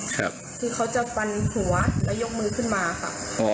คือเขาจะฟันหัวแล้วยกมือขึ้นมาค่ะ